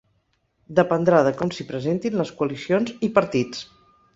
Dependrà de com s’hi presentin les coalicions i partits.